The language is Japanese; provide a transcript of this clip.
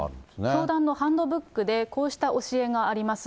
教団のハンドブックで、こうした教えがあります。